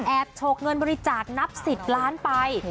แอดโฉกเงินบริจาคนับ๑๐ล้านบาทไป